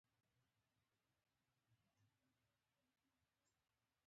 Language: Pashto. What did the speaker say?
ژبه او وینا د عصبي سیستم او مغزو سره مستقیمه اړیکه لري